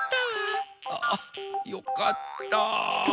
ああよかった。